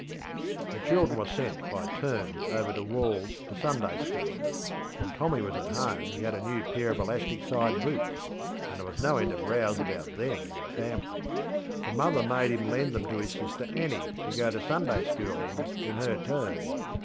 The children were sent by turns over to WallŌĆÖs to Sunday school. When Tommy was at home he had a new pair of elastic side boots, and there was no end of rows about them in the familyŌĆö for the mother made him lend them to his sister Annie, to go to Sunday school in, in her turn.